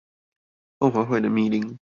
鳳凰會的密令